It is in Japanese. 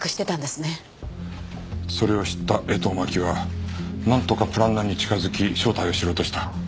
それを知った江藤真紀はなんとかプランナーに近づき正体を知ろうとした。